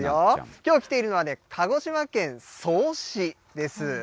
きょう来ているのはね、鹿児島県曽於市です。